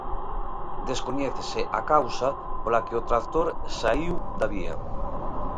Descoñécese a causa pola que o tractor saíu da vía.